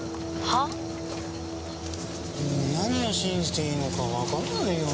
もう何を信じていいのかわからないよ。